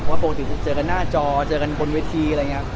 เพราะปกติซักเจอกันหน้าจอบนเวที